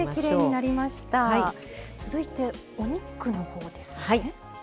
続いて、お肉のほうですね。